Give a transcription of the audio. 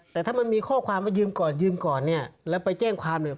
แต่ถ้ามันมีข้อความว่ายืมก่อนแล้วไปแจ้งความ